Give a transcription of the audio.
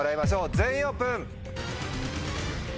全員オープン。